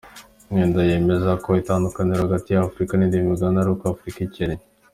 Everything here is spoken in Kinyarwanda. Mwenda yemeza ko itandukaniro hagati ya Afurika n’indi migabane ari uko Afurika ikennye.